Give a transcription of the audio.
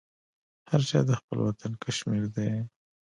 هرچاته خپل وطن کشمیردی